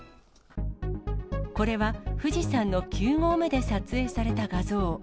これは、富士山の９合目で撮影された画像。